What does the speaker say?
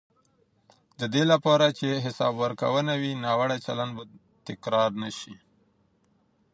د دې لپاره چې حساب ورکونه وي، ناوړه چلند به تکرار نه شي.